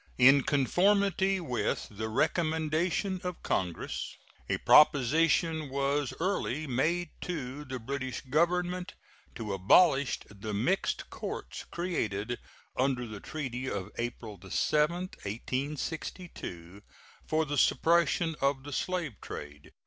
In conformity with the recommendation of Congress, a proposition was early made to the British Government to abolish the mixed courts created under the treaty of April 7, 1862, for the suppression of the slave trade.